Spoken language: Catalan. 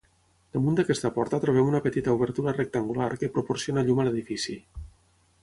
Damunt d'aquesta porta trobem una petita obertura rectangular que proporciona llum a l'edifici.